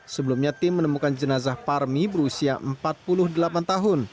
sebelumnya tim menemukan jenazah parmi berusia empat puluh delapan tahun